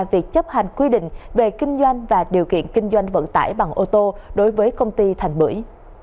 việc chấp hành quy định về kinh doanh và điều kiện kinh doanh vận tải bằng ô tô đối với công ty thành bưởi